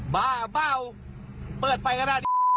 เบ้าเปิดไฟขนาดเดียว